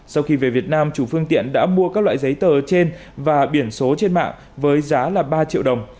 sau khi về việt nam chủ phương tiện đã mua các loại giấy tờ trên và biển số trên mạng với giá ba triệu đồng